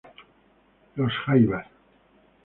Los Jaivas.